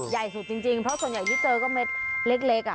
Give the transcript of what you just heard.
ใหญ่สุดจริงเพราะส่วนใหญ่ที่เจอก็เม็ดเล็ก